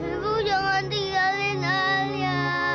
ibu jangan tinggalin alia